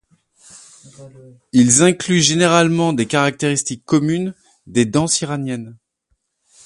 Ils incluent généralement des caractéristiques communes des danses iraniennes.